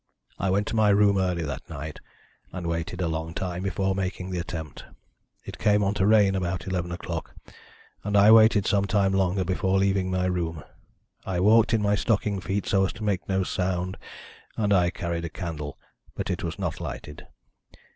"I went to my room early that night, and waited a long time before making the attempt. It came on to rain about eleven o'clock, and I waited some time longer before leaving my room. I walked in my stocking feet, so as to make no sound, and I carried a candle, but it was not lighted.